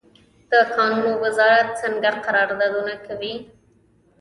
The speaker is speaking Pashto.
د کانونو وزارت څنګه قراردادونه کوي؟